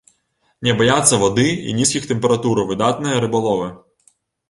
Не баяцца вады і нізкіх тэмператур, выдатныя рыбаловы.